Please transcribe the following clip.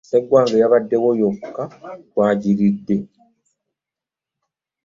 Sseggwanga eyabaddewo yokka twagiridde.